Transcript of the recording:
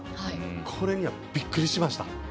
これにはびっくりしました。